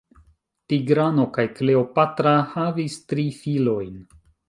Tigrano kaj Kleopatra havis tri filojn.